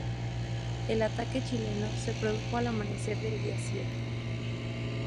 El ataque chileno se produjo al amanecer del día siete.